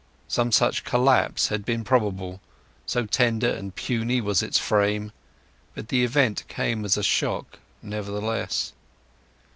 Some such collapse had been probable, so tender and puny was its frame; but the event came as a shock nevertheless.